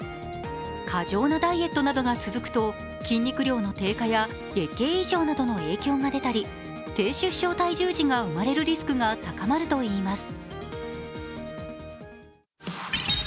過剰なダイエットなどが続くと筋肉量の低下や月経異常などの影響が出たり低出生体重児が生まれるリスクが高まるといいます。